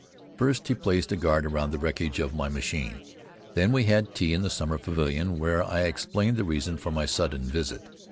First he placed a guard around the wreckage of my machine; then we had tea in the summer pavilion, where I explained the reason for my sudden visit.